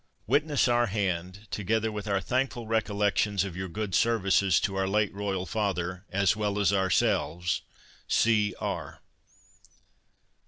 Witness our hand, together with our thankful recollections of your good services to our late Royal Father as well as ourselves, "C. R."